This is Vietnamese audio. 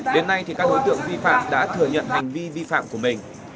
đến nay các đối tượng vi phạm đã thừa nhận hành vi vi phạm của mình